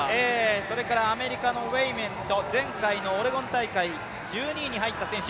アメリカのウェイメント、前回のオレゴン大会１２位に入った選手。